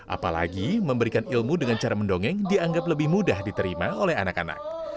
apalagi memberikan ilmu dengan cara mendongeng dianggap lebih mudah diterima oleh anak anak